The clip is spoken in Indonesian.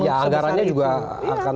ya anggarannya juga akan